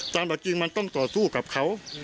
หลักจริงมันต้องต่อสู้กับเขา